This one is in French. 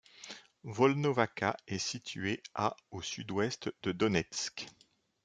Volnovakha est située à au sud-ouest de Donetsk.